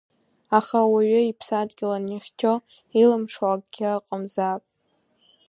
Аха ауаҩы иԥсадгьыл анихьчо илымшо акгьы ыҟамзаап.